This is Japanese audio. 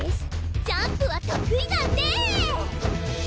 ジャンプは得意なんデース！